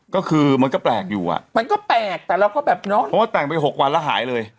ก็คือมันก็แปลกอยู่อ่ะมันก็แปลกแต่เราก็แบบเนาะเพราะว่าแต่งไปหกวันแล้วหายเลย